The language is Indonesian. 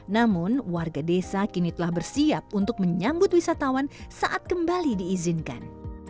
namun warga desa kini telah bersiap untuk menyambut wisatawan saat kembali diizinkan